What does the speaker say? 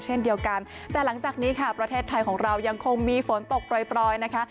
เช่นเดียวกันแต่หลังจากนี้ค่ะประเทศไทยของเรายังคงมีฝนตกปล่อยนะคะ